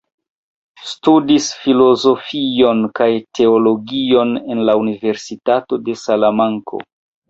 Studis filozofion kaj teologion en la Universitato de Salamanko.